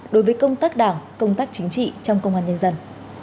đối với công tác đảng công tác chính trị trong công an nhân dân